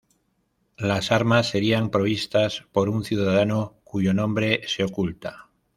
Las armas serían provistas por un ciudadano "cuyo nombre se oculta".